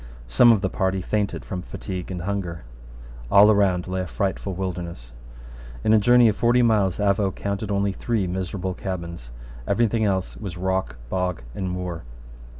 Some of the party fainted from fatigue and hunger. All around lay a frightful wilderness. In a journey of forty miles Avaux counted only three miserable cabins. Every thing else was rock, bog, and moor.